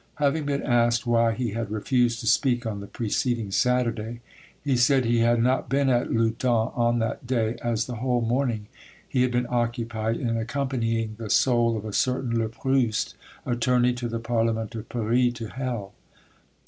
Having been asked why he had refused to speak on the preceding Saturday, he said he had not been at Loudun on that day, as the whole morning he had been occupied in accompanying the soul of a certain Le Proust, attorney to the Parliament of Paris, to hell.